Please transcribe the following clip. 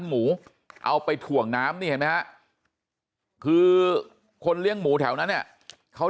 หมูเอาไปถ่วงน้ำนี่เห็นไหมฮะคือคนเลี้ยงหมูแถวนั้นเนี่ยเขา